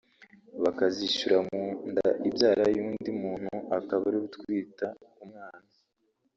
bakazishyira mu nda ibyara y’undi muntu akaba ari we utwita umwana